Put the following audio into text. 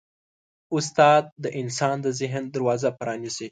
استاد د انسان د ذهن دروازه پرانیزي.